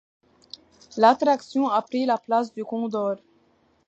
L'attraction a pris la place du Condor.